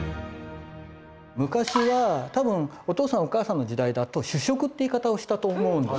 昔は多分お父さんお母さんの時代だと主食っていう言い方をしたと思うんですよ。